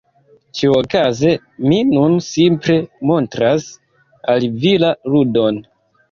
Ĉiuokaze mi nun simple montras al vi la ludon…